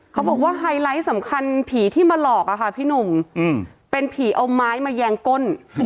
เขาบอกว่าไฮไลท์สำคัญผีที่มาหลอกอะค่ะพี่หนุ่มเป็นผีเอาไม้มาแยงก้น